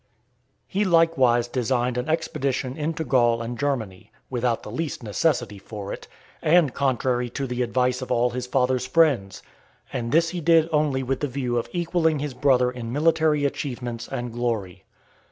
II. He likewise designed an expedition into Gaul and Germany , without the least necessity for it, and contrary to the advice of all his father's friends; and this he did only with the view of equalling his brother in military achievements and glory.